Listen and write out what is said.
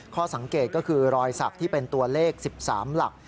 ข้อสังเกตก็คือรอยสักที่เป็นตัวเลข๑๓หลัก